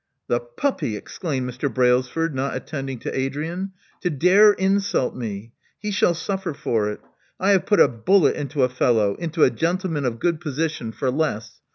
The puppy!" exclaimed Mr. Brailsford, not attend ing to Adrian: to dare insult me! He shall suffer for it. I have put a bullet into a fellow — ^into a gentleman of good position — for less.